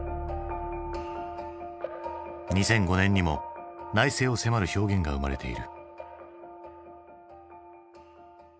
２００５年にも内省を迫る表現が生まれている。